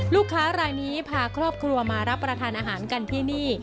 ลูกค้ารายนี้พาครอบครัวมารับประทานอาหารกันที่นี่